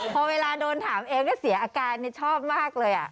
พอเวลาโดนถามเองก็เสียอาการชอบมากเลย